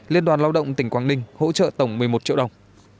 liên đoàn lao động tỉnh quảng ninh hỗ trợ tổng một mươi một triệu đồng